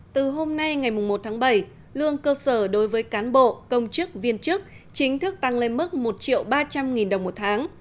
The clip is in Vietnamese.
từ hôm nay ngày một tháng bảy lương cơ sở đối với cán bộ công chức viên chức chính thức tăng lên mức một triệu ba trăm linh nghìn đồng một tháng